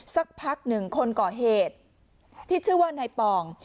สักพักหนึ่งคนก่อเหตุที่ชื่อว่านายปอง